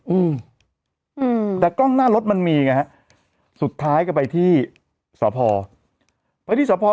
อืมอืมแต่กล้องหน้ารถมันมีไงฮะสุดท้ายก็ไปที่สพไปที่สพ